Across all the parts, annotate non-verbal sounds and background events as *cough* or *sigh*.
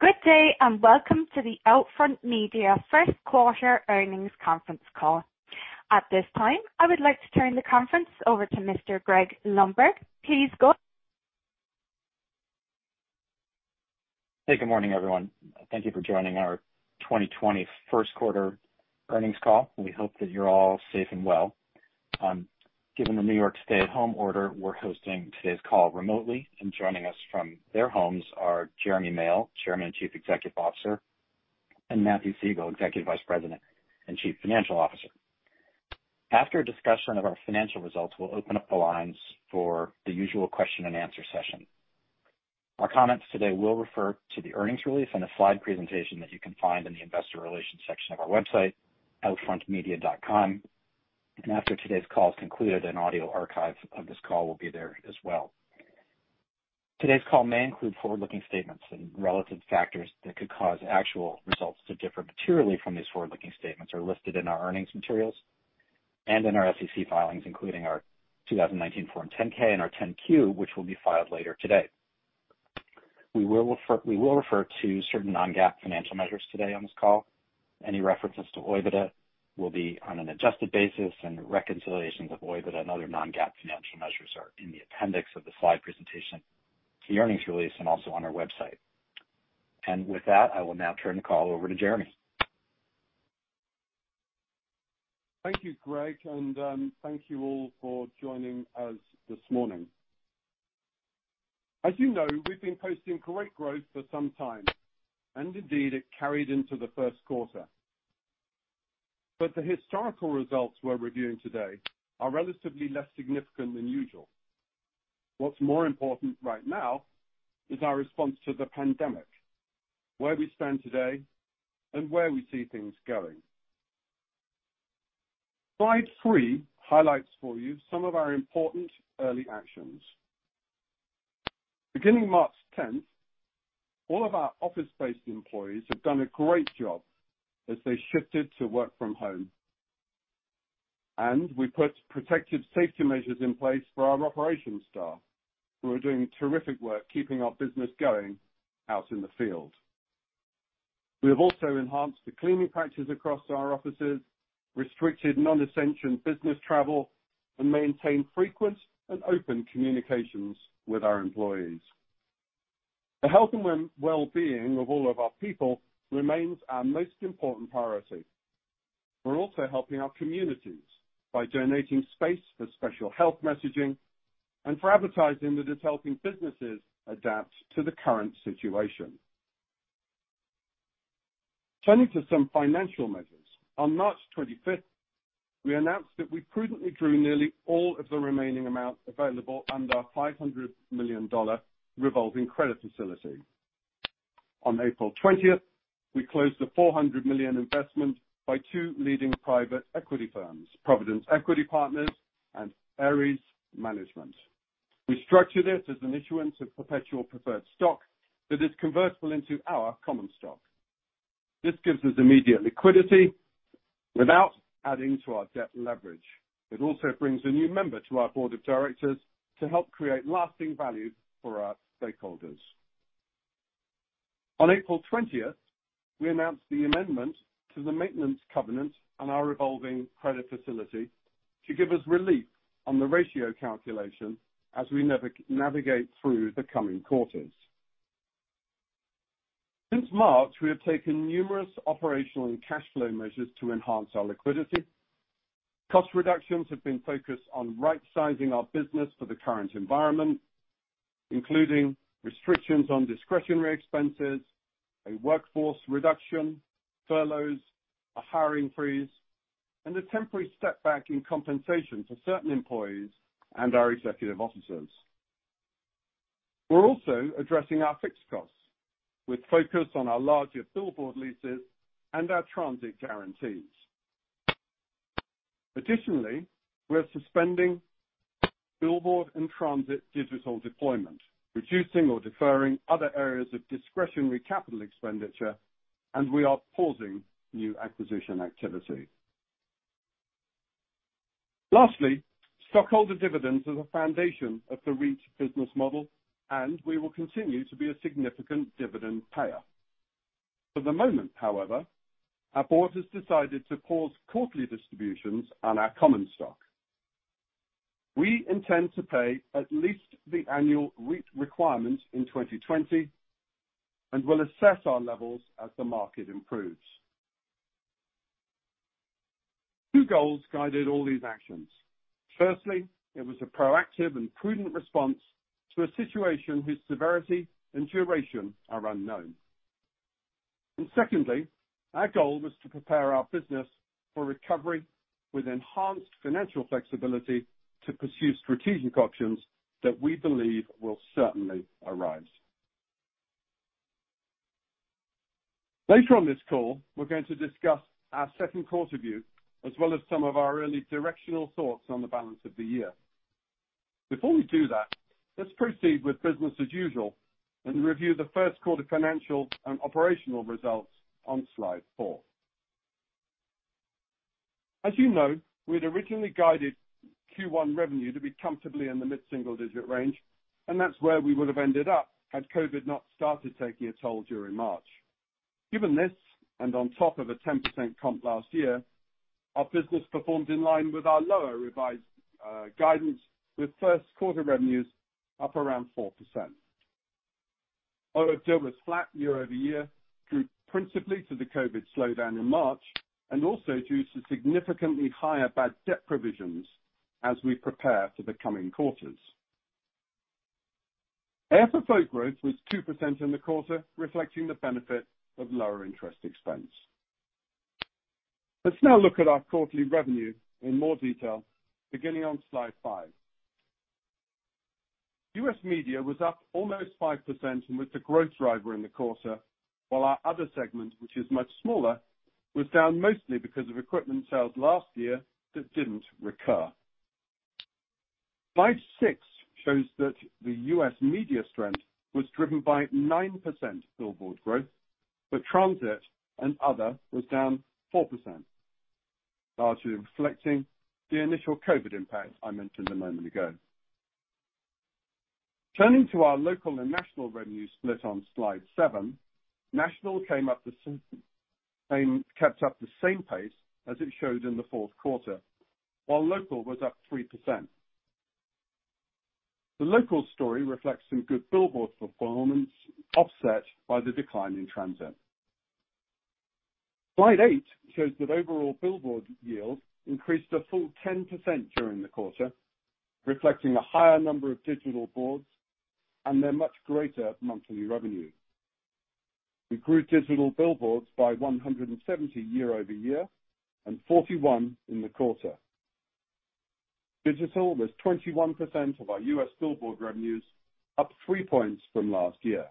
Good day, and welcome to the OUTFRONT Media first quarter earnings conference call. At this time, I would like to turn the conference over to Mr. Greg Lundberg, please go. Hey, good morning, everyone. Thank you for joining our 2020 first quarter earnings call. We hope that you're all safe and well. Given the New York stay-at-home order, we're hosting today's call remotely, and joining us from their homes are Jeremy Male, Chairman and Chief Executive Officer, and Matthew Siegel, Executive Vice President and Chief Financial Officer. After a discussion of our financial results, we'll open up the lines for the usual question and answer session. Our comments today will refer to the earnings release and a slide presentation that you can find in the Investor Relations section of our website, outfrontmedia.com. After today's call is concluded, an audio archive of this call will be there as well. Today's call may include forward-looking statements, and relevant factors that could cause actual results to differ materially from these forward-looking statements are listed in our earnings materials and in our SEC filings, including our 2019 Form 10-K and our 10-Q, which will be filed later today. We will refer to certain non-GAAP financial measures today on this call. Any references to OIBDA will be on an adjusted basis, and reconciliations of OIBDA and other non-GAAP financial measures are in the appendix of the slide presentation to the earnings release, and also on our website. With that, I will now turn the call over to Jeremy. Thank you, Greg, and thank you all for joining us this morning. As you know, we've been posting great growth for some time, and indeed, it carried into the first quarter. The historical results we're reviewing today are relatively less significant than usual. What's more important right now is our response to the pandemic, where we stand today, and where we see things going. Slide three highlights for you some of our important early actions. Beginning March 10th, all of our office-based employees have done a great job as they shifted to work from home. We put protective safety measures in place for our operations staff, who are doing terrific work keeping our business going out in the field. We have also enhanced the cleaning practices across our offices, restricted non-essential business travel, and maintained frequent and open communications with our employees. The health and well-being of all of our people remains our most important priority. We're also helping our communities by donating space for special health messaging and for advertising that is helping businesses adapt to the current situation. Turning to some financial measures, on March 25th, we announced that we prudently drew nearly all of the remaining amount available under our $500 million revolving credit facility. On April 20th, we closed a $400 million investment by two leading private equity firms, Providence Equity Partners and Ares Management. We structured it as an issuance of perpetual preferred stock that is convertible into our common stock. This gives us immediate liquidity without adding to our debt leverage. It also brings a new member to our board of directors to help create lasting value for our stakeholders. On April 20th, we announced the amendment to the maintenance covenant on our revolving credit facility to give us relief on the ratio calculation as we navigate through the coming quarters. Since March, we have taken numerous operational and cash flow measures to enhance our liquidity. Cost reductions have been focused on right-sizing our business for the current environment, including restrictions on discretionary expenses, a workforce reduction, furloughs, a hiring freeze, and a temporary stepback in compensation for certain employees and our executive officers. We're also addressing our fixed costs, with focus on our larger billboard leases and our transit guarantees. Additionally, we're suspending billboard and transit digital deployment, reducing or deferring other areas of discretionary capital expenditure, and we are pausing new acquisition activity. Lastly, stockholder dividends are the foundation of the REIT business model, and we will continue to be a significant dividend payer. For the moment, however, our Board has decided to pause quarterly distributions on our common stock. We intend to pay at least the annual REIT requirement in 2020 and will assess our levels as the market improves. Two goals guided all these actions. Firstly, it was a proactive and prudent response to a situation whose severity and duration are unknown. Secondly, our goal was to prepare our business for recovery with enhanced financial flexibility to pursue strategic options that we believe will certainly arise. Later on this call, we're going to discuss our second quarter view, as well as some of our early directional thoughts on the balance of the year. Before we do that, let's proceed with business as usual and review the first quarter financial and operational results on slide four. As you know, we had originally guided Q1 revenue to be comfortably in the mid-single digit range, and that's where we would have ended up had COVID not started taking a toll during March. Given this, and on top of a 10% comp last year, our business performed in line with our lower revised guidance, with first quarter revenues up around 4%. OIBDA was flat year-over-year, due principally to the COVID slowdown in March, and also due to significantly higher bad debt provisions as we prepare for the coming quarters. AFFO growth was 2% in the quarter, reflecting the benefit of lower interest expense. Let's now look at our quarterly revenue in more detail, beginning on slide five. U.S. Media was up almost 5% and was the growth driver in the quarter, while our Other segment, which is much smaller, was down mostly because of equipment sales last year that didn't recur. Slide six shows that the U.S. Media strength was driven by 9% billboard growth, but transit and other was down 4%, largely reflecting the initial COVID impact I mentioned a moment ago. Turning to our local and national revenue split on slide seven, national kept up the same pace as it showed in the fourth quarter, while local was up 3%. The local story reflects some good billboard performance, offset by the decline in transit. Slide eight shows that overall billboard yields increased a full 10% during the quarter, reflecting a higher number of digital boards and their much greater monthly revenue. We grew digital billboards by 170 year-over-year and 41 in the quarter. Digital was 21% of our U.S. billboard revenues, up three points from last year.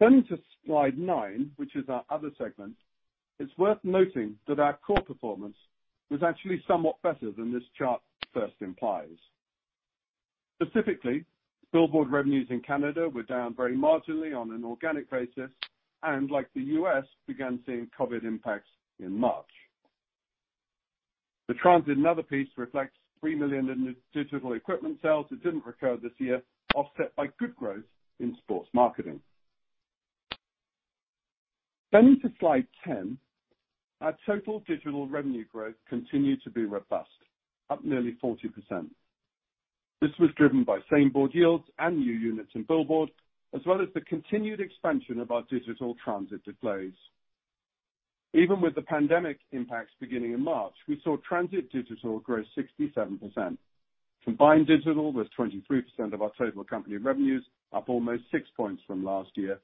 Turning to slide nine, which is our other segment. It's worth noting that our core performance was actually somewhat better than this chart first implies. Specifically, billboard revenues in Canada were down very marginally on an organic basis, and like the U.S., began seeing COVID impacts in March. The transit and other piece reflects $3 million in digital equipment sales that didn't recur this year, offset by good growth in sports marketing. Turning to slide 10, our total digital revenue growth continued to be robust, up nearly 40%. This was driven by same board yields and new units in billboard, as well as the continued expansion of our digital transit displays. Even with the pandemic impacts beginning in March, we saw transit digital grow 67%. Combined digital was 23% of our total company revenues, up almost 6 points from last year.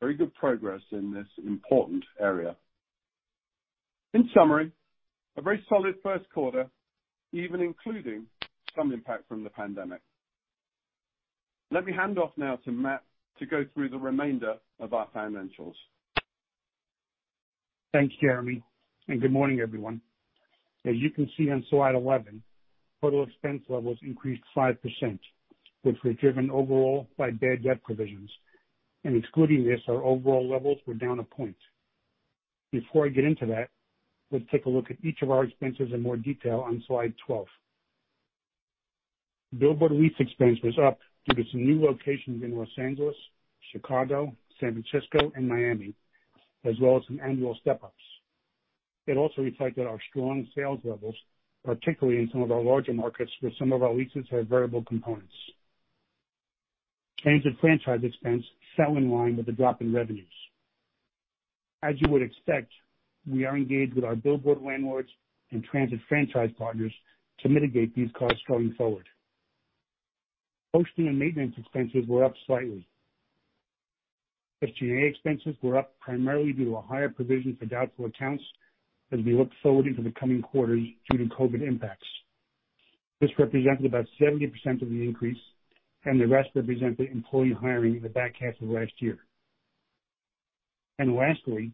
Very good progress in this important area. In summary, a very solid first quarter, even including some impact from the pandemic. Let me hand off now to Matthew to go through the remainder of our financials. Thanks, Jeremy, and good morning, everyone. As you can see on slide 11, total expense levels increased 5%, which were driven overall by bad debt provisions. Excluding this, our overall levels were down a point. Before I get into that, let's take a look at each of our expenses in more detail on slide 12. Billboard lease expense was up due to some new locations in Los Angeles, Chicago, San Francisco, and Miami, as well as some annual step-ups. It also reflected our strong sales levels, particularly in some of our larger markets where some of our leases have variable components. Transit franchise expense fell in line with the drop in revenues. As you would expect, we are engaged with our billboard landlords and transit franchise partners to mitigate these costs going forward. Posting and maintenance expenses were up slightly. SG&A expenses were up primarily due to a higher provision for doubtful accounts as we look forward into the coming quarters due to COVID impacts. This represented about 70% of the increase, and the rest represent the employee hiring in the back half of last year. Lastly,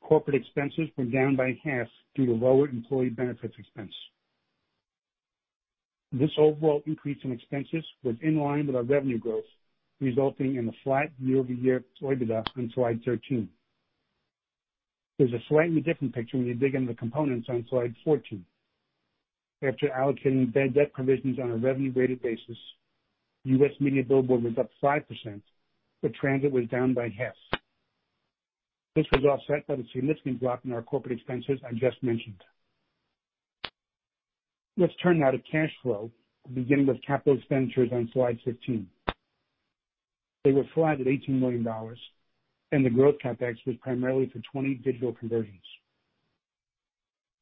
corporate expenses were down by half due to lower employee benefits expense. This overall increase in expenses was in line with our revenue growth, resulting in a flat year-over-year OIBDA on slide 13. There's a slightly different picture when you dig into the components on slide 14. After allocating bad debt provisions on a revenue-graded basis, U.S. Media billboard was up 5%, but transit was down by half. This was offset by the significant drop in our corporate expenses I just mentioned. Let's turn now to cash flow, beginning with capital expenditures on slide 15. They were flat at $18 million, and the growth CapEx was primarily for 20 digital conversions.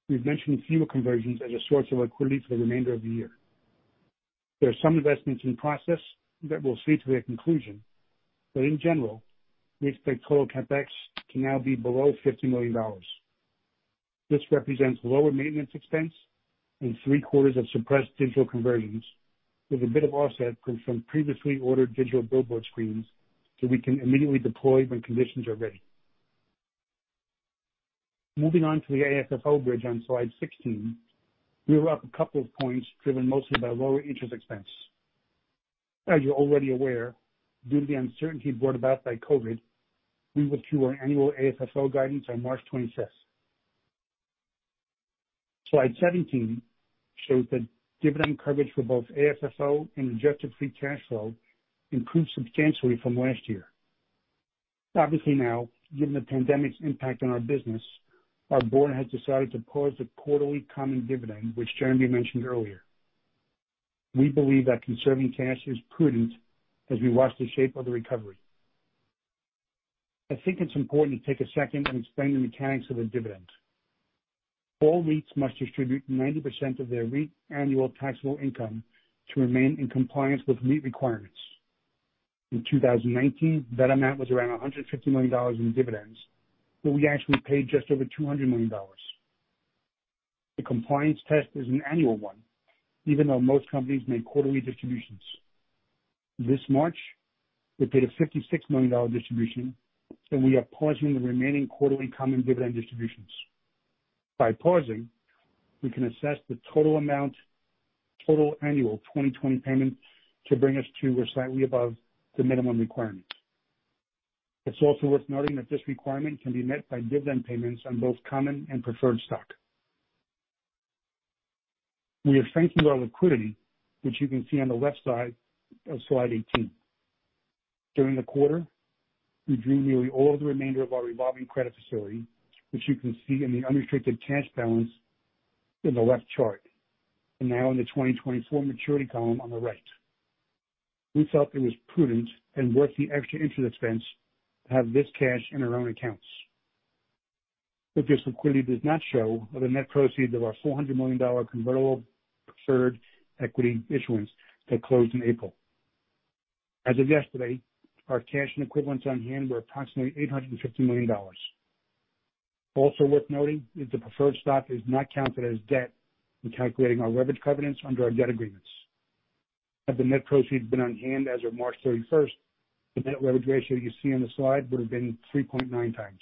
We've mentioned fewer conversions as a source of liquidity for the remainder of the year. There are some investments in process that will see to their conclusion, but in general, we expect total CapEx to now be below $50 million. This represents lower maintenance expense and three-quarters of suppressed digital conversions, with a bit of offset from some previously ordered digital billboard screens that we can immediately deploy when conditions are ready. Moving on to the AFFO bridge on slide 16. We were up a couple of points, driven mostly by lower interest expense. As you're already aware, due to the uncertainty brought about by COVID, we withdrew our annual AFFO guidance on March 25th. Slide 17 shows that dividend coverage for both AFFO and adjusted free cash flow improved substantially from last year. Obviously now, given the pandemic's impact on our business, our board has decided to pause the quarterly common dividend, which Jeremy mentioned earlier. We believe that conserving cash is prudent as we watch the shape of the recovery. I think it's important to take a second and explain the mechanics of the dividend. All REITs must distribute 90% of their REIT annual taxable income to remain in compliance with REIT requirements. In 2019, that amount was around $150 million in dividends, but we actually paid just over $200 million. The compliance test is an annual one, even though most companies make quarterly distributions. This March, we paid a $56 million distribution, and we are pausing the remaining quarterly common dividend distributions. By pausing, we can assess the total amount, total annual 2020 payments, to bring us to or slightly above the minimum requirement. It's also worth noting that this requirement can be met by dividend payments on both common and preferred stock. We have strengthened our liquidity, which you can see on the left side of slide 18. During the quarter, we drew nearly all of the remainder of our revolving credit facility, which you can see in the unrestricted cash balance in the left chart, and now in the 2024 maturity column on the right. We felt it was prudent and worth the extra interest expense to have this cash in our own accounts. What this liquidity does not show are the net proceeds of our $400 million convertible preferred equity issuance that closed in April. As of yesterday, our cash and equivalents on hand were approximately $850 million. Also worth noting is the preferred stock is not counted as debt in calculating our leverage covenants under our debt agreements. Had the net proceeds been on hand as of March 31st, the net leverage ratio you see on the slide would have been 3.9x.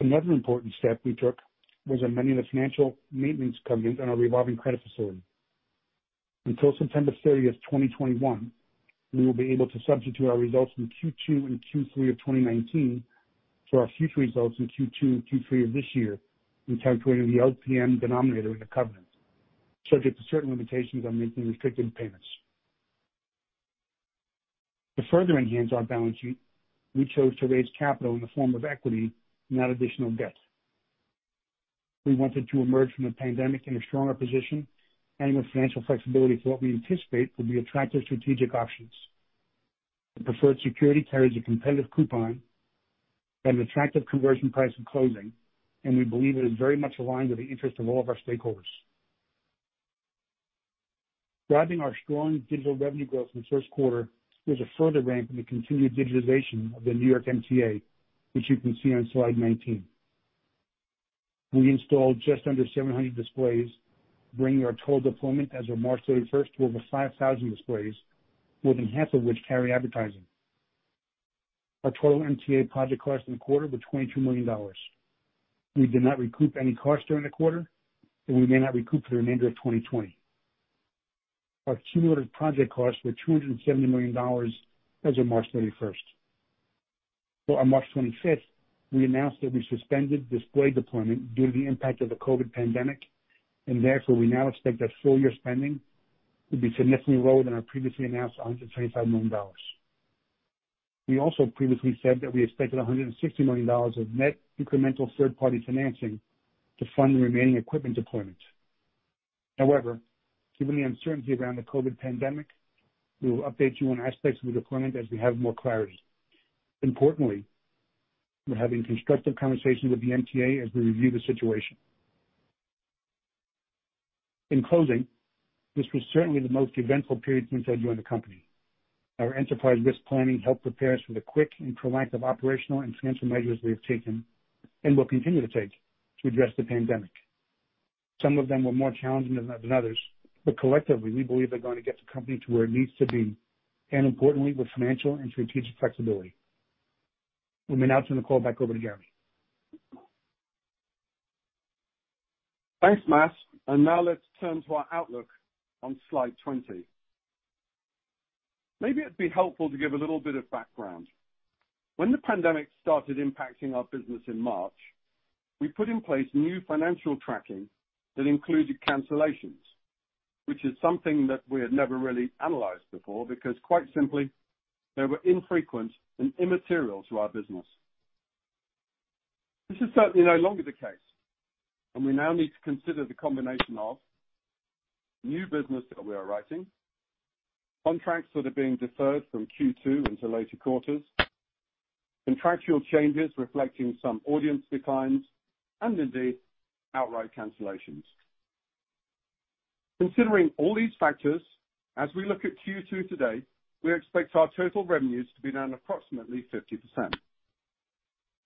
Another important step we took was amending the financial maintenance covenant on our revolving credit facility. Until September 30th, 2021, we will be able to substitute our results from Q2 and Q3 of 2019 for our future results in Q2 and Q3 of this year in calculating the LTM denominator in the covenant, subject to certain limitations on making restricted payments. To further enhance our balance sheet, we chose to raise capital in the form of equity, not additional debt. We wanted to emerge from the pandemic in a stronger position and with financial flexibility for what we anticipate will be attractive strategic options. The preferred security carries a competitive coupon and an attractive conversion price on closing, and we believe it is very much aligned with the interest of all of our stakeholders. Driving our strong digital revenue growth in the first quarter was a further ramp in the continued digitization of the New York MTA, which you can see on slide 19. We installed just under 700 displays, bringing our total deployment as of March 31st to over 5,000 displays, more than half of which carry advertising. Our total MTA project costs in the quarter were $22 million. We did not recoup any costs during the quarter, and we may not recoup for the remainder of 2020. Our cumulative project costs were $270 million as of March 31st. On March 25th, we announced that we suspended display deployment due to the impact of the COVID pandemic, and therefore, we now expect that full year spending will be significantly lower than our previously announced $125 million. We also previously said that we expected $160 million of net incremental third-party financing to fund the remaining equipment deployment. However, given the uncertainty around the COVID pandemic, we will update you on aspects of the deployment as we have more clarity. Importantly, we're having constructive conversations with the MTA as we review the situation. In closing, this was certainly the most eventful period since I joined the company. Our enterprise risk planning helped prepare us for the quick and proactive operational and financial measures we have taken and will continue to take to address the pandemic. Some of them were more challenging than others, but collectively, we believe they're going to get the company to where it needs to be, and importantly, with financial and strategic flexibility. Let me now turn the call back over to Jeremy Male. Thanks, Matt. Now let's turn to our outlook on slide 20. Maybe it'd be helpful to give a little bit of background. When the pandemic started impacting our business in March, we put in place new financial tracking that included cancellations, which is something that we had never really analyzed before because quite simply, they were infrequent and immaterial to our business. This is certainly no longer the case, and we now need to consider the combination of new business that we are writing, contracts that are being deferred from Q2 into later quarters, contractual changes reflecting some audience declines, and indeed, outright cancellations. Considering all these factors, as we look at Q2 today, we expect our total revenues to be down approximately 50%.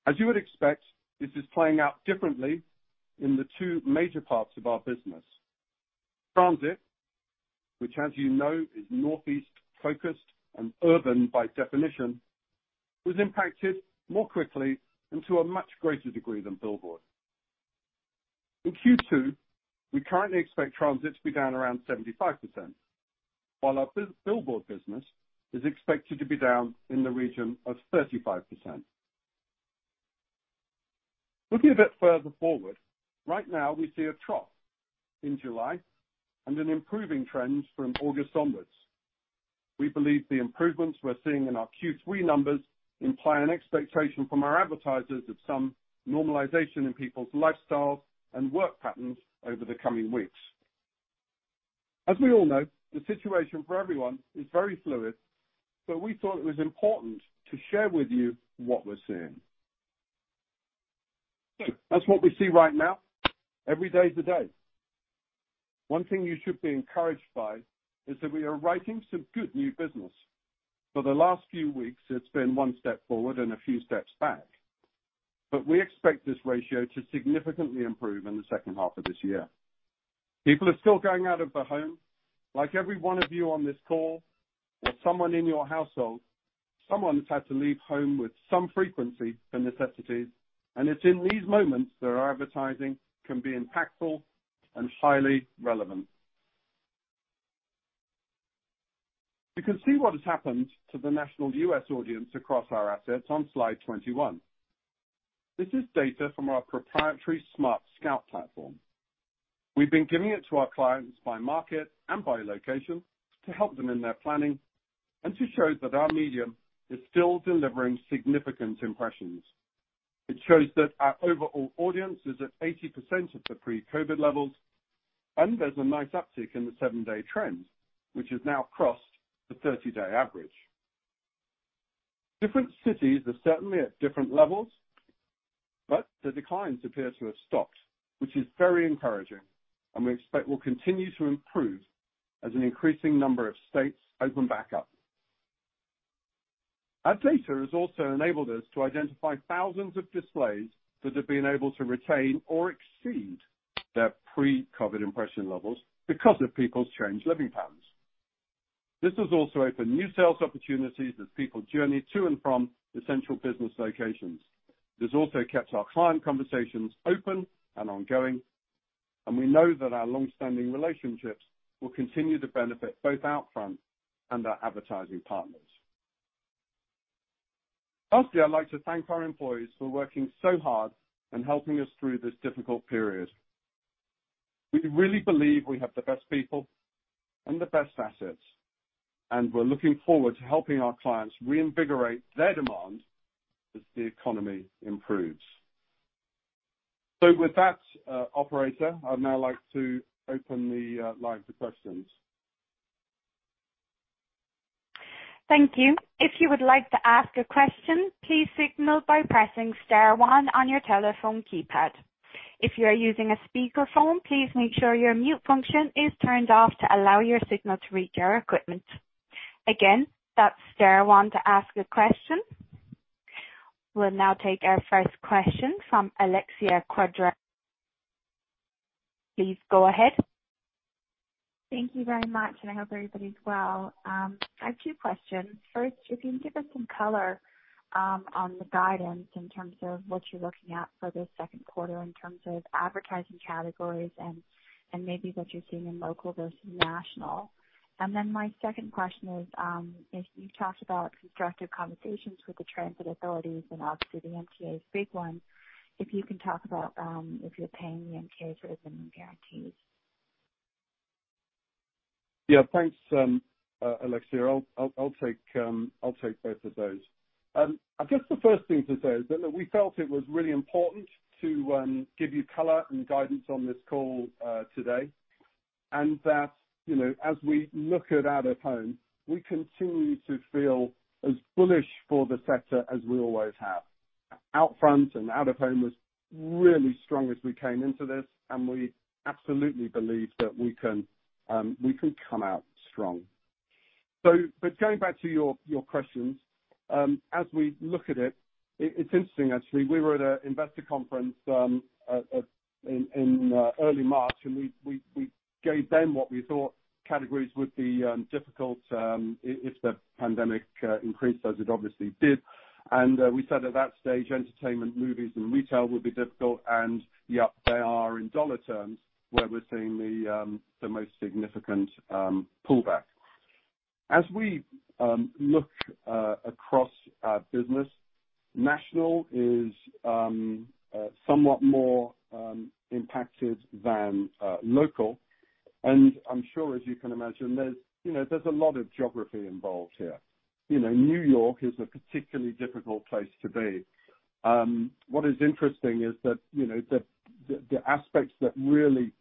As you would expect, this is playing out differently in the two major parts of our business. Transit, which as you know is Northeast-focused and urban by definition, was impacted more quickly and to a much greater degree than billboard. In Q2, we currently expect transit to be down around 75%, while our billboard business is expected to be down in the region of 35%. Looking a bit further forward, right now we see a trough in July and an improving trend from August onwards. We believe the improvements we're seeing in our Q3 numbers imply an expectation from our advertisers of some normalization in people's lifestyles and work patterns over the coming weeks. As we all know, the situation for everyone is very fluid, so we thought it was important to share with you what we're seeing. That's what we see right now. Every day is a day. One thing you should be encouraged by is that we are writing some good new business. For the last few weeks, it's been one step forward and a few steps back. We expect this ratio to significantly improve in the second half of this year. People are still going out of the home. Like every one of you on this call, or someone in your household, someone's had to leave home with some frequency for necessities, and it's in these moments that our advertising can be impactful and highly relevant. You can see what has happened to the national U.S. audience across our assets on slide 21. This is data from our proprietary smartSCOUT platform. We've been giving it to our clients by market and by location to help them in their planning and to show that our medium is still delivering significant impressions. It shows that our overall audience is at 80% of the pre-COVID levels, and there's a nice uptick in the seven-day trend, which has now crossed the 30-day average. Different cities are certainly at different levels, but the declines appear to have stopped, which is very encouraging, and we expect we'll continue to improve as an increasing number of states open back up. Our data has also enabled us to identify thousands of displays that have been able to retain or exceed their pre-COVID impression levels because of people's changed living patterns. This has also opened new sales opportunities as people journey to and from essential business locations. This also kept our client conversations open and ongoing, and we know that our longstanding relationships will continue to benefit both OUTFRONT and our advertising partners. Lastly, I'd like to thank our employees for working so hard and helping us through this difficult period. We really believe we have the best people and the best assets, and we're looking forward to helping our clients reinvigorate their demand as the economy improves. With that, Operator, I'd now like to open the line to questions. Thank you. If you would like to ask a question, please signal by pressing star one on your telephone keypad. If you are using a speakerphone, please make sure your mute function is turned off to allow your signal to reach our equipment. Again, that's star one to ask a question. We'll now take our first question from Alexia Quadrani. Please go ahead. Thank you very much, and I hope everybody's well. I have two questions. First, if you can give us some color on the guidance in terms of what you're looking at for the second quarter in terms of advertising categories and maybe what you're seeing in local versus national? My second question is if you talked about constructive conversations with the transit authorities and obviously the MTA is a big one, if you can talk about if you're paying the MTA for revenue guarantees? Yeah. Thanks, Alexia. I'll take both of those. I guess the first thing to say is that we felt it was really important to give you color and guidance on this call today, and that, as we look at out-of-home, we continue to feel as bullish for the sector as we always have. OUTFRONT and out-of-home was really strong as we came into this, and we absolutely believe that we can come out strong. Going back to your questions, as we look at it's interesting, actually. We were at an investor conference in early March, and we gave them what we thought categories would be difficult if the pandemic increased as it obviously did. We said at that stage, entertainment, movies, and retail would be difficult. Yep, they are in dollar terms, where we're seeing the most significant pullback. As we look across our business, national is somewhat more impacted than local. I'm sure, as you can imagine, there's a lot of geography involved here. New York is a particularly difficult place to be. What is interesting is that the aspects that really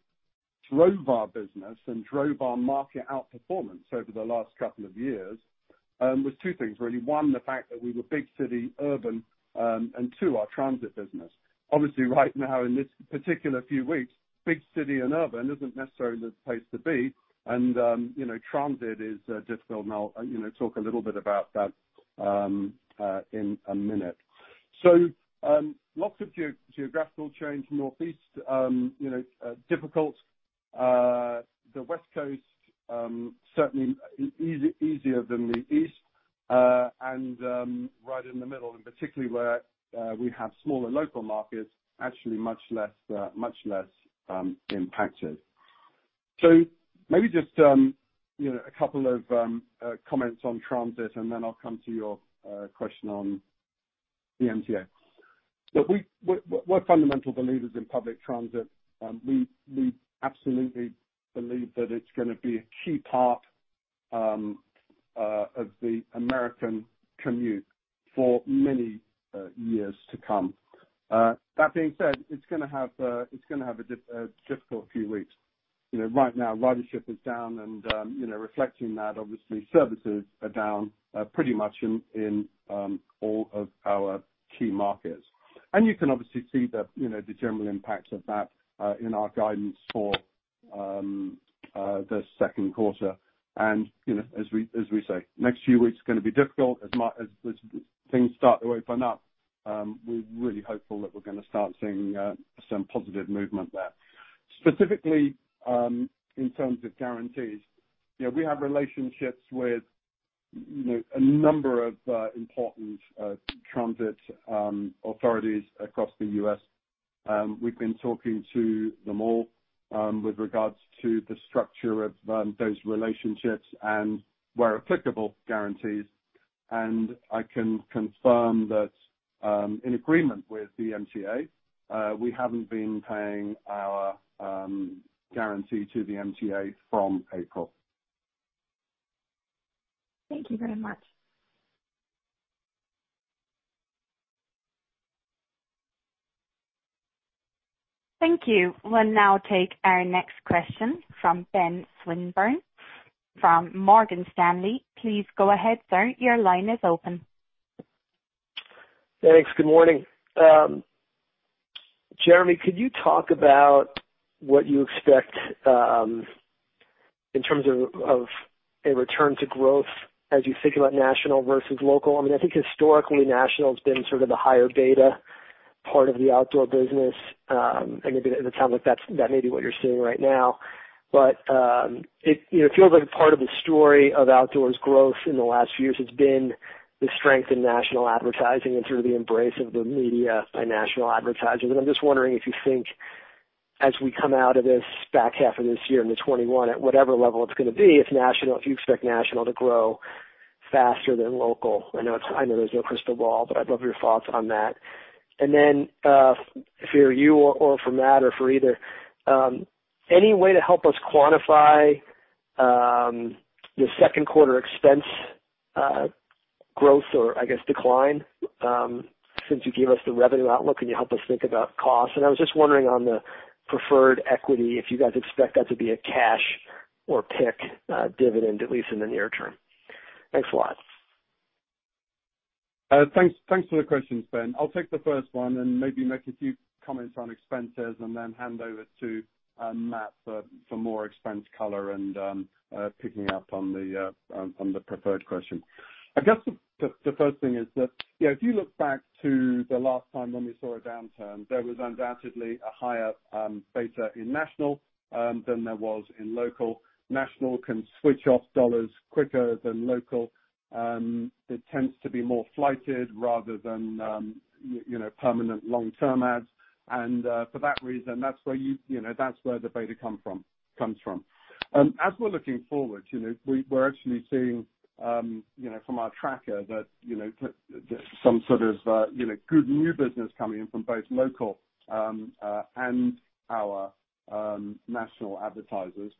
drove our business and drove our market outperformance over the last couple of years was two things, really. One, the fact that we were big city, urban, and two, our transit business. Obviously, right now, in this particular few weeks, big city and urban isn't necessarily the place to be. Transit is difficult. I'll talk a little bit about that in a minute. Lots of geographical change. Northeast, difficult. The West Coast certainly easier than the East, and right in the middle, and particularly where we have smaller local markets, actually much less impacted. Maybe just a couple of comments on transit, and then I'll come to your question on the MTA. Look, we're fundamental believers in public transit. We absolutely believe that it's going to be a key part of the American commute for many years to come. That being said, it's going to have a difficult few weeks. Right now, ridership is down and reflecting that, obviously, services are down pretty much in all of our key markets. You can obviously see the general impact of that in our guidance for the second quarter. As we say, next few weeks are going to be difficult. As things start to open up, we're really hopeful that we're going to start seeing some positive movement there. Specifically, in terms of guarantees, we have relationships with a number of important transit authorities across the U.S. We've been talking to them all with regards to the structure of those relationships and where applicable, guarantees. I can confirm that in agreement with the MTA, we haven't been paying our guarantee to the MTA from April. Thank you very much. Thank you. We'll now take our next question from Ben Swinburne from Morgan Stanley. Please go ahead, sir. Your line is open. Thanks. Good morning. Jeremy, could you talk about what you expect in terms of a return to growth as you think about national versus local? I think historically, national has been sort of the higher beta part of the outdoor business. It sounds like that may be what you're seeing right now. *inaudible* part of the story of outdoors growth in the last few years has been the strength in national advertising and through the embrace of the media by national advertisers. I'm just wondering if you think as we come out of this back half of this year into 2021, at whatever level it's going to be, if you expect national to grow faster than local. I know there's no crystal ball, but I'd love your thoughts on that. For you or for Matt or for either, any way to help us quantify the second quarter expense growth or, I guess, decline? Since you gave us the revenue outlook, can you help us think about costs? I was just wondering on the preferred equity, if you guys expect that to be a cash or PIK dividend, at least in the near term. Thanks a lot. Thanks for the questions, Ben. I'll take the first one and maybe make a few comments on expenses and then hand over to Matt for more expense color and picking up on the preferred question. I guess the first thing is that if you look back to the last time when we saw a downturn, there was undoubtedly a higher beta in national than there was in local. National can switch off dollars quicker than local. It tends to be more flighted rather than permanent long-term ads. For that reason, that's where the beta comes from. As we're looking forward, we're actually seeing from our tracker some sort of good new business coming in from both local and our national advertisers.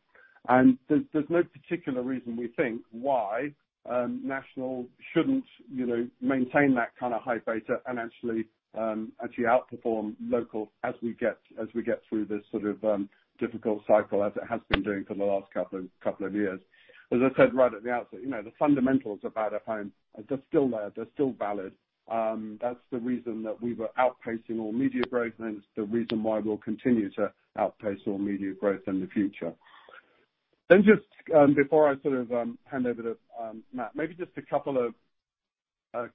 There's no particular reason we think why national shouldn't maintain that kind of high beta and actually outperform local as we get through this sort of difficult cycle as it has been doing for the last couple of years. As I said right at the outset, the fundamentals about out-of-home, they're still there, they're still valid. That's the reason that we were outpacing all media growth, and it's the reason why we'll continue to outpace all media growth in the future. Just before I hand over to Matt, maybe just a couple of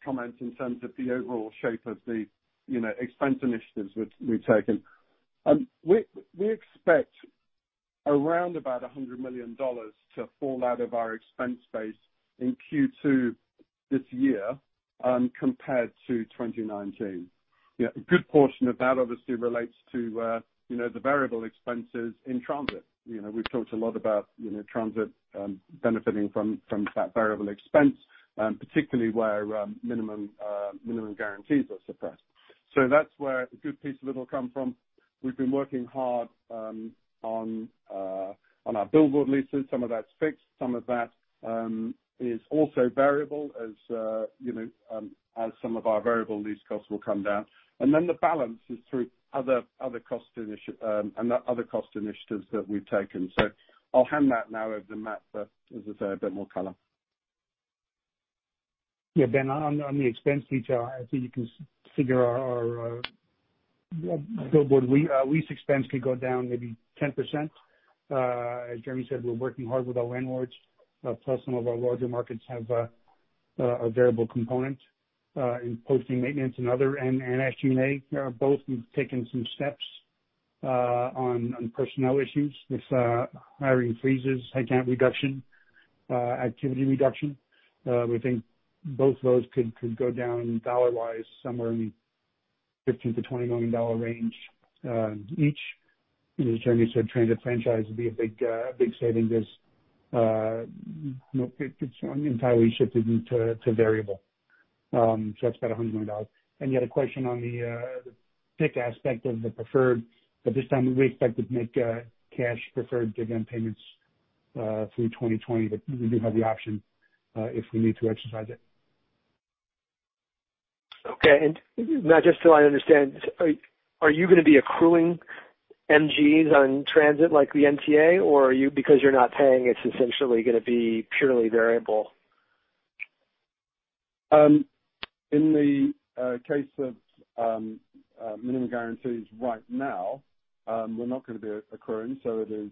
comments in terms of the overall shape of the expense initiatives we've taken. We expect around about $100 million to fall out of our expense base in Q2 this year compared to 2019. A good portion of that obviously relates to the variable expenses in transit. We've talked a lot about transit benefiting from that variable expense, particularly where minimum guarantees are suppressed. That's where a good piece of it will come from. We've been working hard on our billboard leases. Some of that's fixed, some of that is also variable as some of our variable lease costs will come down. The balance is through other cost initiatives that we've taken. I'll hand that now over to Matt, as I say, a bit more color. Yeah, Ben, on the expense detail, I think you can figure our billboard lease expense could go down maybe 10%. As Jeremy said, we're working hard with our landlords, plus some of our larger markets have a variable component in posting maintenance and other. Actually, they both have taken some steps on personnel issues with hiring freezes, headcount reduction, activity reduction. We think both of those could go down dollar-wise somewhere in the $15 million-$20 million range each. As Jeremy said, transit franchise would be a big saving as it's entirely shifted into variable. That's about $100 million. You had a question on the PIK aspect of the preferred, but this time we expect to make cash preferred dividend payments through 2020, but we do have the option if we need to exercise it. Okay. Matt, just so I understand, are you going to be accruing MGs on transit like the MTA, or because you're not paying, it's essentially going to be purely variable? In the case of minimum guarantees right now, we're not going to be accruing, so it is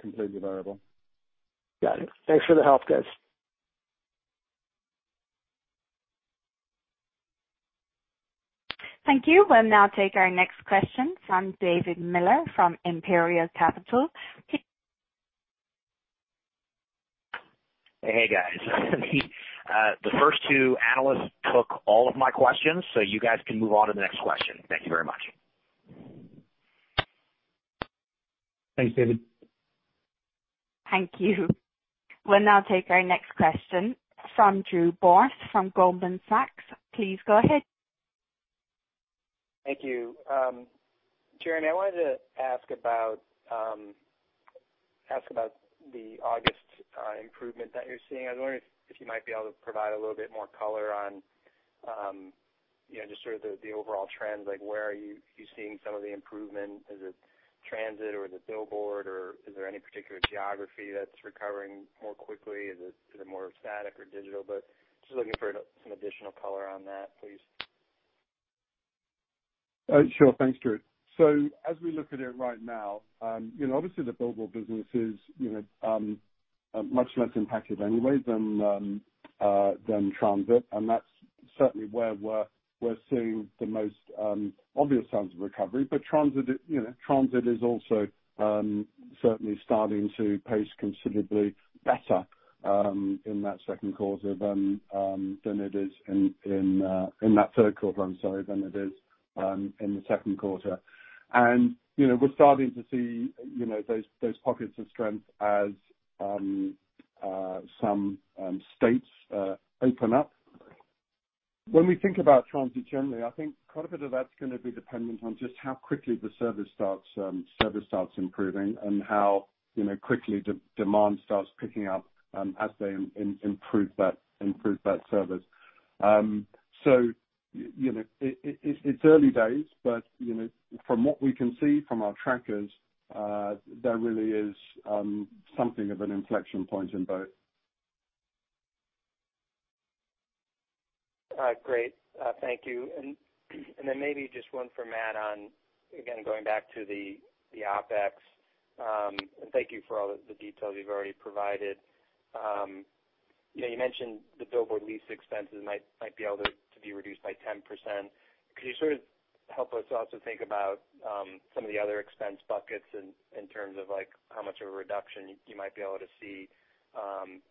completely variable. Got it. Thanks for the help, guys. Thank you. We'll now take our next question from David Miller from Imperial Capital. Hey, guys. The first two analysts took all of my questions, so you guys can move on to the next question. Thank you very much. Thanks, David. Thank you. We'll now take our next question from Drew Borst from Goldman Sachs. Please go ahead. Thank you. Jeremy, I wanted to ask about the August improvement that you're seeing. I was wondering if you might be able to provide a little bit more color on just sort of the overall trends, like where are you seeing some of the improvement? Is it transit, or is it billboard, or is there any particular geography that's recovering more quickly? Is it more static or digital? Just looking for some additional color on that, please. Sure. Thanks, Drew. As we look at it right now, obviously the billboard business is much less impacted anyway than transit, and that's certainly where we're seeing the most obvious signs of recovery. Transit is also certainly starting to pace considerably better in that third quarter, I'm sorry, than it is in the second quarter. We're starting to see those pockets of strength as some states open up. When we think about transit generally, I think quite a bit of that's going to be dependent on just how quickly the service starts improving and how quickly demand starts picking up as they improve that service. It's early days, but from what we can see from our trackers, there really is something of an inflection point in both. Great. Thank you. Maybe just one for Matt on, again, going back to the OpEx. Thank you for all the details you've already provided. You mentioned the billboard lease expenses might be able to be reduced by 10%. Could you sort of help us also think about some of the other expense buckets in terms of how much of a reduction you might be able to see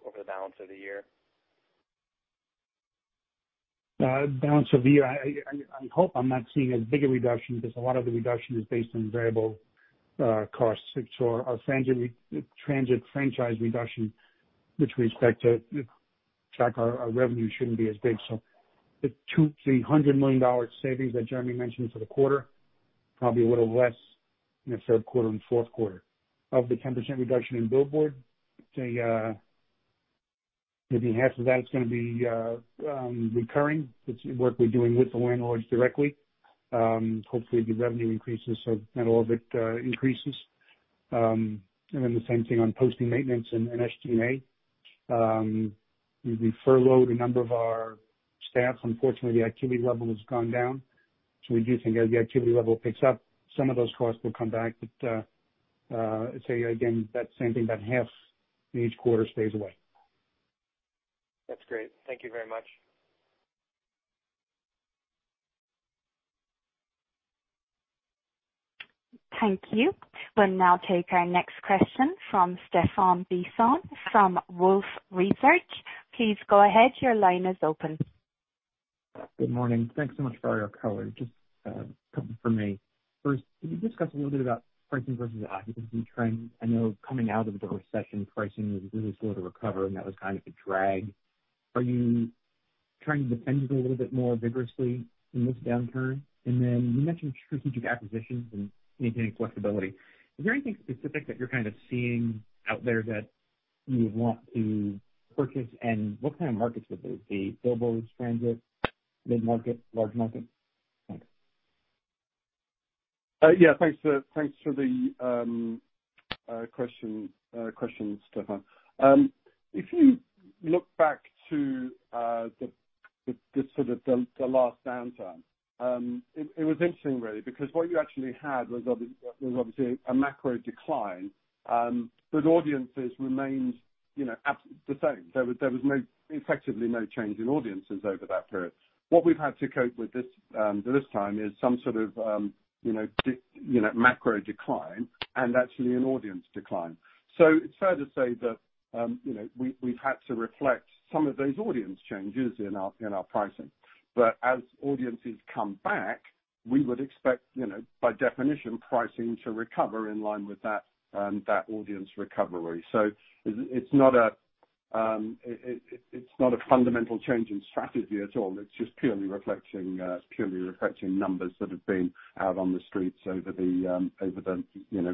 over the balance of the year? Balance of the year, I hope I'm not seeing as big a reduction because a lot of the reduction is based on variable costs. Our transit franchise reduction, which we expect to track our revenue, shouldn't be as big. The $200 million-$300 million savings that Jeremy mentioned for the quarter, probably a little less in the third quarter and fourth quarter. Of the 10% reduction in billboard, maybe half of that is going to be recurring. It's work we're doing with the landlords directly. Hopefully, the revenue increases, so that all of it increases. The same thing on posting maintenance and SG&A. We furloughed a number of our staff. Unfortunately, the activity level has gone down. We do think as the activity level picks up, some of those costs will come back. I'd say again, that same thing, about half in each quarter stays away. That's great. Thank you very much. Thank you. We'll now take our next question from Stephan Bisson from Wolfe Research. Please go ahead. Your line is open. Good morning. Thanks so much for all your color. Just a couple from me. First, can you discuss a little bit about pricing versus occupancy trends? I know coming out of the recession, pricing was really slow to recover, and that was kind of a drag. Are you trying to defend it a little bit more vigorously in this downturn? You mentioned strategic acquisitions and maintaining flexibility. Is there anything specific that you're kind of seeing out there that you want to purchase? What kind of markets would those be? Billboards, transit, mid-market, large market? Thanks. Yeah. Thanks for the question, Stephan. If you look back to the last downturn, it was interesting, really, because what you actually had was obviously a macro decline, but audiences remained the same. There was effectively no change in audiences over that period. What we've had to cope with this time is some sort of macro decline and actually an audience decline. It's fair to say that we've had to reflect some of those audience changes in our pricing. As audiences come back, we would expect, by definition, pricing to recover in line with that audience recovery. It's not a fundamental change in strategy at all. It's just purely reflecting numbers that have been out on the streets over the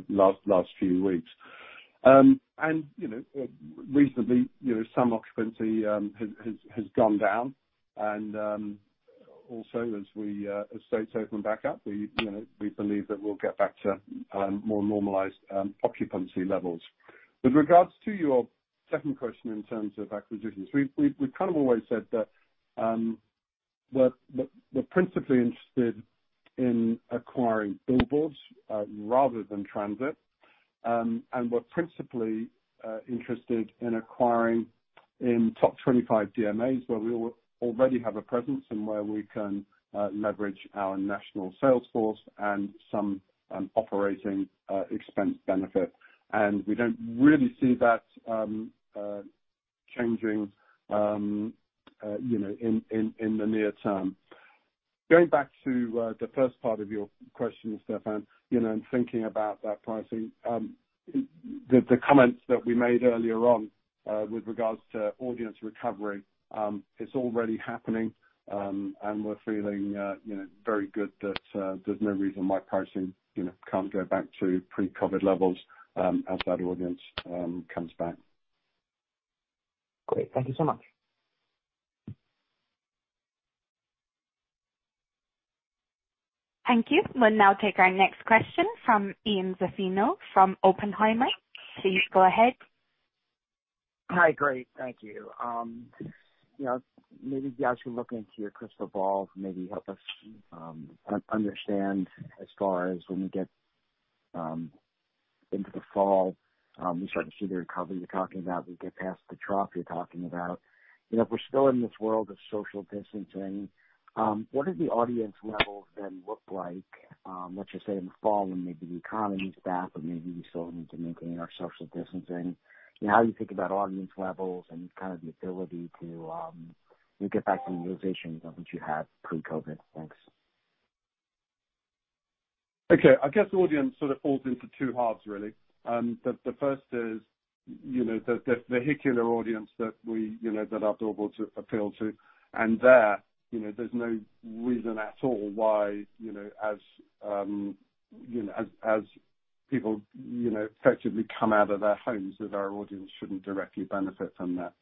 last few weeks. Reasonably, some occupancy has gone down. Also, as states open back up, we believe that we'll get back to more normalized occupancy levels. With regards to your second question in terms of acquisitions, we've kind of always said that we're principally interested in acquiring billboards rather than transit. We're principally interested in acquiring in top 25 DMAs where we already have a presence and where we can leverage our national sales force and some operating expense benefit. We don't really see that changing in the near term. Going back to the first part of your question, Stephan, and thinking about that pricing, the comments that we made earlier on with regards to audience recovery, it's already happening. We're feeling very good that there's no reason why pricing can't go back to pre-COVID levels as that audience comes back. Great. Thank you so much. Thank you. We'll now take our next question from Ian Zaffino from Oppenheimer. Please go ahead. Hi. Great. Thank you. Maybe as you look into your crystal ball to maybe help us understand as far as when we get into the fall, we start to see the recovery you're talking about, we get past the trough you're talking about. If we're still in this world of social distancing, what do the audience levels then look like, let's just say in the fall when maybe the economy is back, but maybe we still need to maintain our social distancing? How do you think about audience levels and the ability to get back to the utilization of what you had pre-COVID? Thanks. Okay. I guess audience sort of falls into two halves, really. The first is the vehicular audience that our billboards appeal to. There's no reason at all why, as people effectively come out of their homes, that our audience shouldn't directly benefit from that.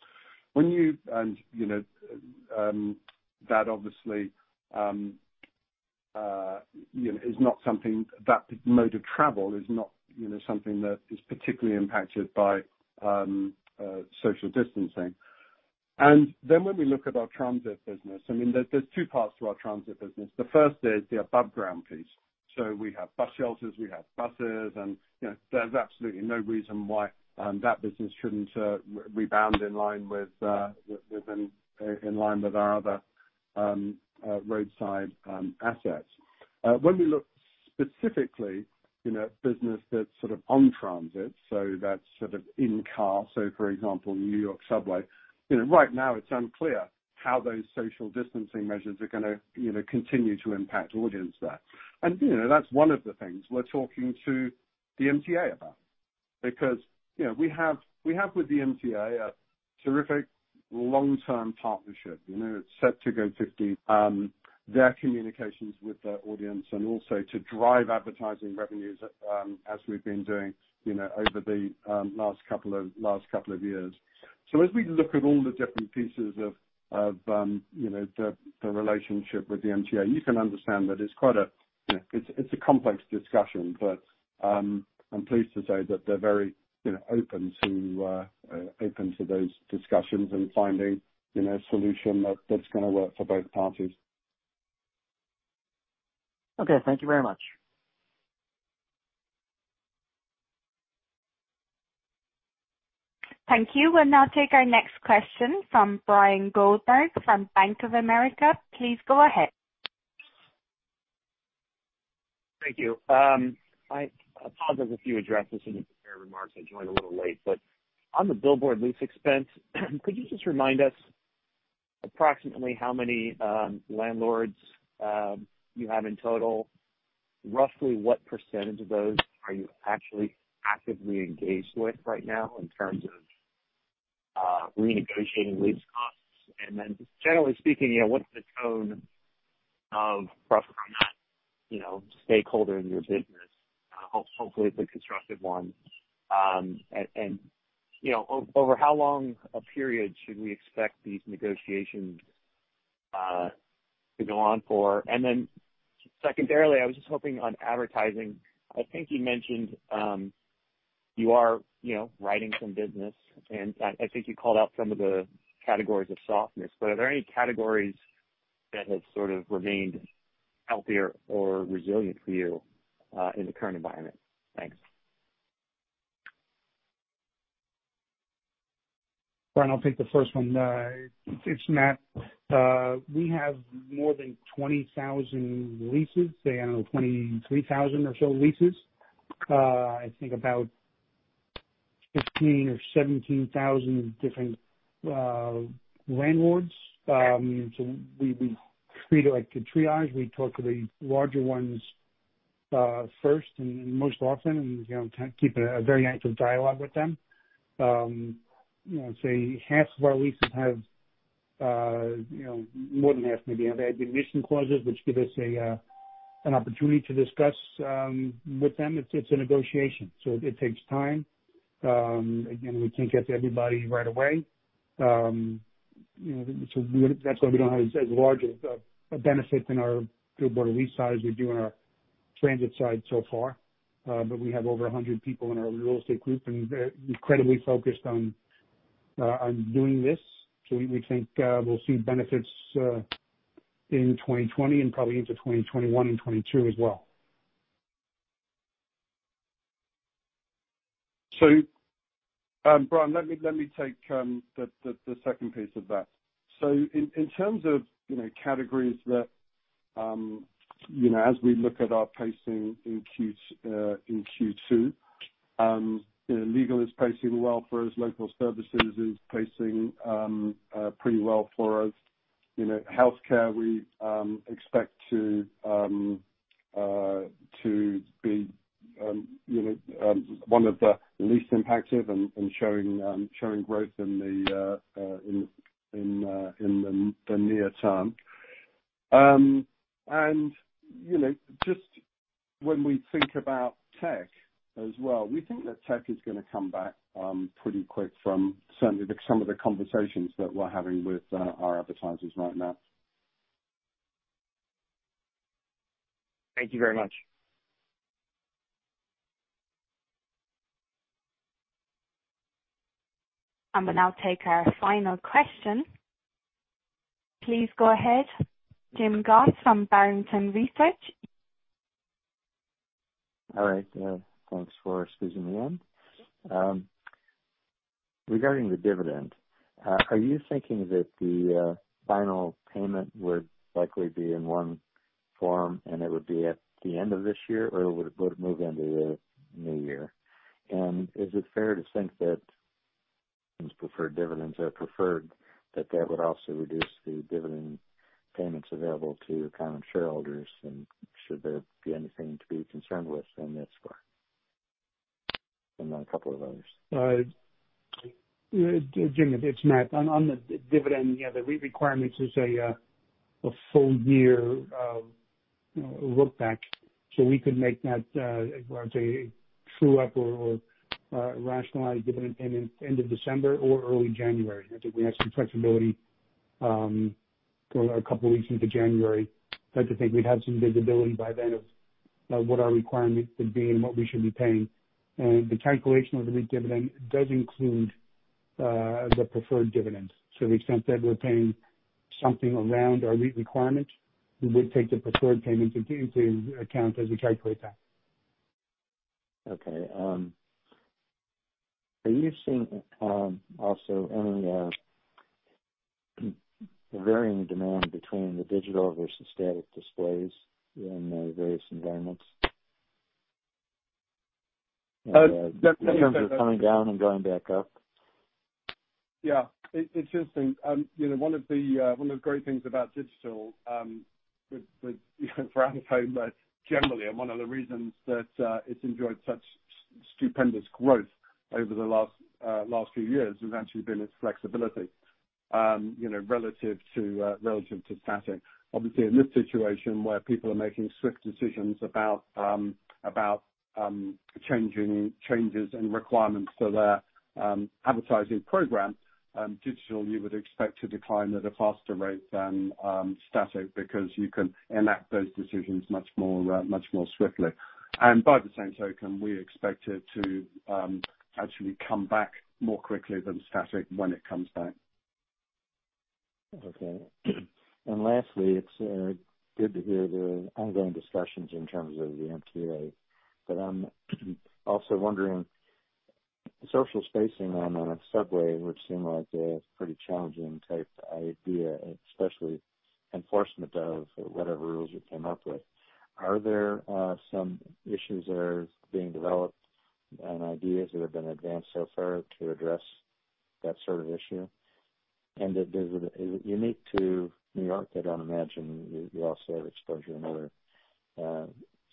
That mode of travel is not something that is particularly impacted by social distancing. When we look at our transit business, there's two parts to our transit business. The first is the above-ground piece. We have bus shelters, we have buses, and there's absolutely no reason why that business shouldn't rebound in line with our other roadside assets. When we look specifically at the business that's on transit, so that's in-car, so for example, New York Subway. Right now it's unclear how those social distancing measures are going to continue to impact audience there. That's one of the things we're talking to the MTA about because we have with the MTA a terrific long-term partnership. It's set to go 15, their communications with their audience and also to drive advertising revenues as we've been doing over the last couple of years. As we look at all the different pieces of the relationship with the MTA, you can understand that it's a complex discussion. I'm pleased to say that they're very open to those discussions and finding a solution that's going to work for both parties. Okay. Thank you very much. Thank you. We'll now take our next question from Bryan Goldberg from Bank of America. Please go ahead. Thank you. I apologize if you addressed this in the prepared remarks. I joined a little late, but on the billboard lease expense, could you just remind us approximately how many landlords you have in total? Roughly what percentage of those are you actually actively engaged with right now in terms of renegotiating lease costs? Generally speaking, what's the tone of roughly that stakeholder in your business? Hopefully it's a constructive one. Over how long a period should we expect these negotiations to go on for? Secondarily, I was just hoping on advertising. I think you mentioned you are writing some business, and I think you called out some of the categories of softness. Are there any categories that have sort of remained healthier or resilient for you in the current environment? Thanks. Bryan, I'll take the first one. It's Matt. We have more than 20,000 leases, say, I don't know, 23,000 or so leases. I think about 15,000 or 17,000 different landlords. We treat it like a triage. We talk to the larger ones first and most often and keep a very active dialogue with them. I'd say half of our leases have, more than half maybe have abatement clauses, which give us an opportunity to discuss with them. It's a negotiation, so it takes time. Again, we can't get to everybody right away. That's why we don't have as large a benefit in our billboard lease side as we do on our transit side so far. We have over 100 people in our real estate group, and they're incredibly focused on doing this. We think we'll see benefits in 2020 and probably into 2021 and 2022 as well. Bryan, let me take the second piece of that. In terms of categories that as we look at our pacing in Q2, legal is pacing well for us, local services is pacing pretty well for us. Healthcare we expect to be one of the least impacted and showing growth in the near term. Just when we think about tech as well, we think that tech is going to come back pretty quick from certainly some of the conversations that we're having with our advertisers right now. Thank you very much. I'm going to now take our final question. Please go ahead, Jim Goss from Barrington Research. All right. Thanks for squeezing me in. Regarding the dividend, are you thinking that the final payment would likely be in one form and it would be at the end of this year? Would it move into the new year? Is it fair to think that preferred dividends are preferred, that that would also reduce the dividend payments available to common shareholders, and should there be anything to be concerned with on that score? A couple of others. Jim, it's Matt. On the dividend, yeah, the REIT requirement is a full-year look-back. We could make that, I'd say, true-up or rationalize dividend payment end of December or early January. I think we have some flexibility going a couple of weeks into January. I'd like to think we'd have some visibility by then of what our requirements would be and what we should be paying. The calculation of the REIT dividend does include the preferred dividends. To the extent that we're paying something around our REIT requirement, we would take the preferred payment into account as we calculate that. Okay. Are you seeing also any varying demand between the digital versus static displays in the various environments? Oh. In terms of coming down and going back up. Yeah. It's interesting. One of the great things about digital for out-of-home, but generally, and one of the reasons that it's enjoyed such stupendous growth over the last few years, has actually been its flexibility relative to static. Obviously, in this situation where people are making swift decisions about changes in requirements to their advertising program, digital you would expect to decline at a faster rate than static because you can enact those decisions much more swiftly. By the same token, we expect it to actually come back more quickly than static when it comes back. Okay. Lastly, it's good to hear the ongoing discussions in terms of the MTA. I'm also wondering, social spacing on a subway would seem like a pretty challenging type idea, especially enforcement of whatever rules you came up with. Are there some issues that are being developed and ideas that have been advanced so far to address that sort of issue? Is it unique to New York? I'd imagine you also have exposure in other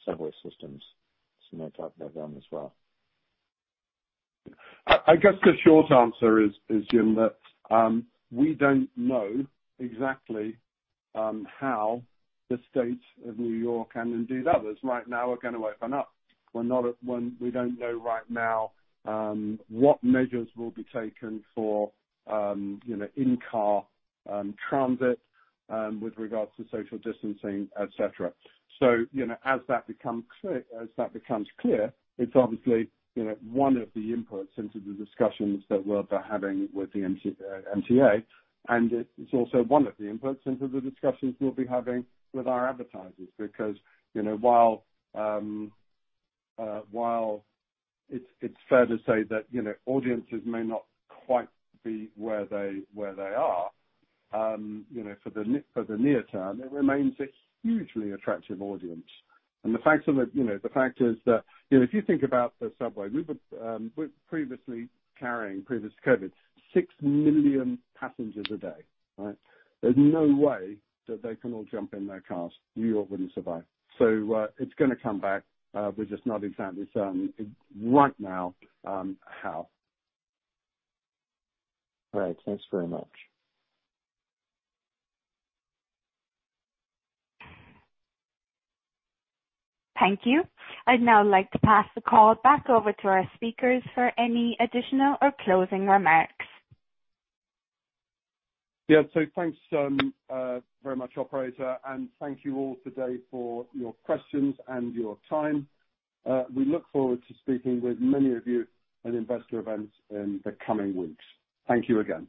subway systems, so may talk about them as well. I guess the short answer is, Jim, that we don't know exactly how the State of New York and indeed others right now are going to open up. We don't know right now what measures will be taken for in-car transit with regards to social distancing, et cetera. As that becomes clear, it's obviously one of the inputs into the discussions that we're having with the MTA, and it's also one of the inputs into the discussions we'll be having with our advertisers. Because while it's fair to say that audiences may not quite be where they are for the near term, it remains a hugely attractive audience. The fact is that if you think about the subway, we're previously carrying, previous to COVID, 6 million passengers a day, right? There's no way that they can all jump in their cars. New York wouldn't survive. It's going to come back. We're just not exactly certain right now how. All right. Thanks very much. Thank you. I'd now like to pass the call back over to our speakers for any additional or closing remarks. Yeah. Thanks very much, Operator, and thank you all today for your questions and your time. We look forward to speaking with many of you at investor events in the coming weeks. Thank you again.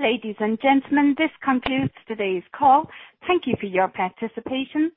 Ladies and gentlemen, this concludes today's call. Thank you for your participation.